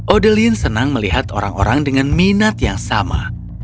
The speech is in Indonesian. odeline senang melihat orang orang dengan minat yang sama